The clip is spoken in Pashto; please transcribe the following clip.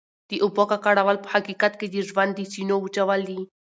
د اوبو ککړول په حقیقت کې د ژوند د چینو وچول دي.